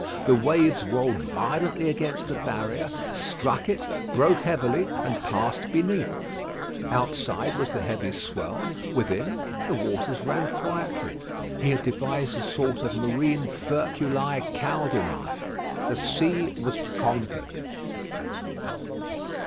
The waves rolled violently against the barrier, struck it, broke heavily and passed beneath. Outside was the heavy swell; within, the waters ran quietly. He had devised a sort of marine Furculæ caudinæ. The sea was conquered.